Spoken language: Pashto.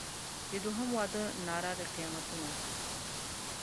د دوهم واده ناره د قیامتونو